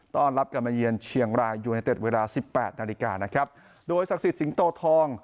ต้อนรับกลับมาเยือนเชียงรายยูเนเต็ดเวลาสิบแปดนาฬิกานะครับโดยศักดิ์สิทธิสิงโตทอง